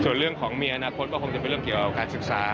ส่วนเรื่องของมีอนาคตก็คงจะเป็นเรื่องเกี่ยวกับการศึกษา